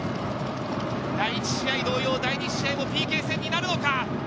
第１試合同様、第２試合もＰＫ戦になるのか？